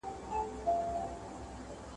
د چا لاره چي پر لور د جهالت سي !.